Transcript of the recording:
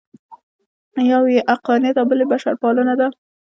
یو یې عقلانیت او بل یې بشرپالنه ده.